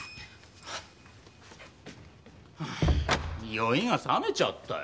酔いがさめちゃったよ。